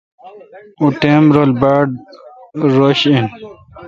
او ٹائم رل باڑ رش این۔